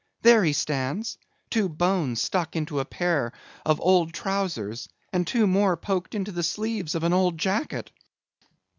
There he stands; two bones stuck into a pair of old trowsers, and two more poked into the sleeves of an old jacket."